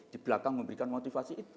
di belakang memberikan motivasi